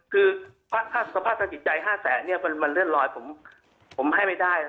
คือสภาพทางจิตใจ๕๐๐๐๐๐บาทมันเลื่อนรอยผมให้ไม่ได้